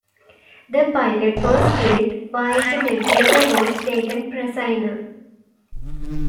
The pilot was killed while the navigator was taken prisoner.